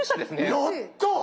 やった！